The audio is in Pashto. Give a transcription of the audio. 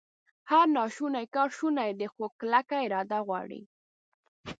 هر ناشونی کار شونی دی، خو کلکه اراده غواړي